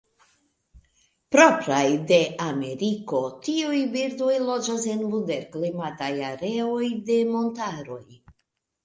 Propraj de Ameriko, tiuj birdoj loĝas en moderklimataj areoj de montaroj.